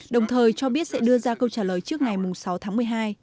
đồng thời cho biết sẽ đưa ra câu trả lời trước ngày sáu tháng một mươi hai